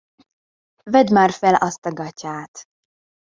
Vedd már fel azt a gatyát!